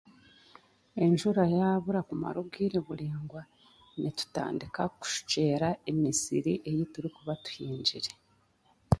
Enjura yaabura kumara obwire buraingwa, nitutandika kushukyera emisiri ei turikuba tuhingire